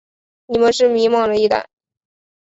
你们是迷惘的一代。